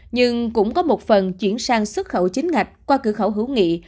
nhưng cũng có một phần chuyển sang xuất khẩu chính ngạch qua cửa khẩu hữu nghị